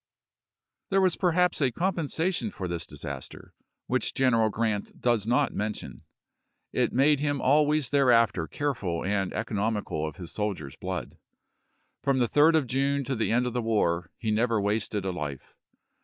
There was perhaps a compensation for this dis aster, which General G rant does not mention; it made him always thereafter careful and economical 1864. of his soldiers' blood. From the 3d of June to the end of the war he never wasted a life.